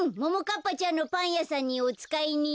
かっぱちゃんのパンやさんにおつかいに。